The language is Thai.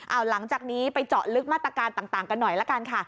เอาหลังจากนี้ไปเจาะลึกมาตรการต่างกันหน่อยละกันค่ะ